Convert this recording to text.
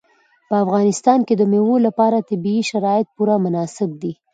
په افغانستان کې د مېوو لپاره طبیعي شرایط پوره مناسب دي.